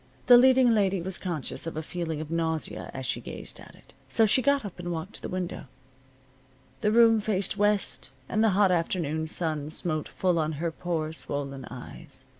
The leading lady was conscious of a feeling of nausea as she gazed at it. So she got up and walked to the window. The room faced west, and the hot afternoon sun smote full on her poor swollen eyes.